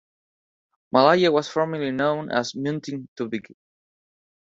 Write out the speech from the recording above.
Malaya was formerly known as "Munting Tubig".